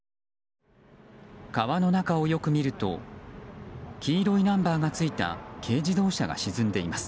川の中をよく見ると黄色いナンバーがついた軽自動車が沈んでいます。